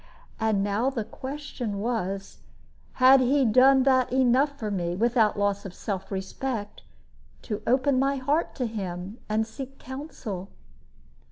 And now the question was, had he done that enough for me, without loss of self respect, to open my heart to him, and seek counsel?